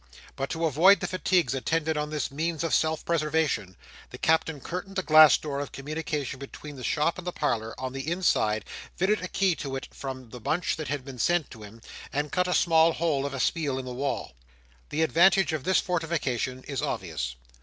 But to avoid the fatigues attendant on this means of self preservation, the Captain curtained the glass door of communication between the shop and parlour, on the inside; fitted a key to it from the bunch that had been sent to him; and cut a small hole of espial in the wall. The advantage of this fortification is obvious.